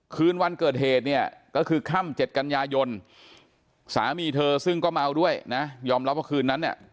คืนวันเกิดเหตุเนี่ยก็คือค่ำ๗กันยายนสามีเธอซึ่งก็เมาด้วยนะยอมรับว่าคืนนั้นเนี่ย